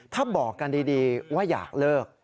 ถ้าบอกกันดีว่าอยากเลิก